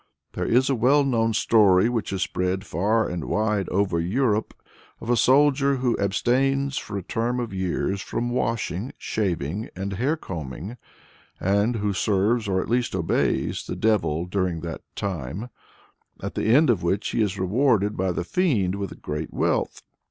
There is a well known story, which has spread far and wide over Europe, of a soldier who abstains for a term of years from washing, shaving, and hair combing, and who serves, or at least obeys, the devil during that time, at the end of which he is rewarded by the fiend with great wealth.